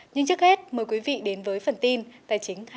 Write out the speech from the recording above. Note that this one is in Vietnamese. nhưng trước hết mời quý vị đến với phần tin tài chính hai trăm bốn mươi bảy